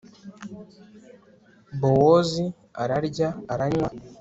bowozi ararya, aranywa